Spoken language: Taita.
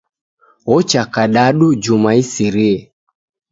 Ocha kadadu juma isirie.